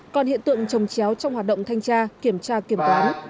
còn hiện tượng trồng chéo trong hoạt động thanh tra kiểm tra kiểm toán